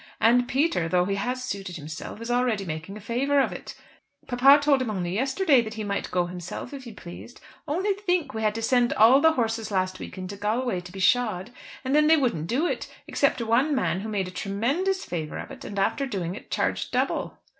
And Peter, though he has suited himself, is already making a favour of it. Papa told him only yesterday that he might go himself if he pleased. Only think, we had to send all the horses last week into Galway to be shod; and then they wouldn't do it, except one man who made a tremendous favour of it, and after doing it charged double."